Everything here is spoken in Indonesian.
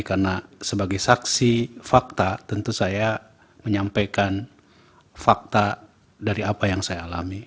karena sebagai saksi fakta tentu saya menyampaikan fakta dari apa yang saya alami